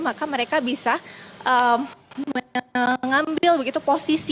maka mereka bisa mengambil begitu posisi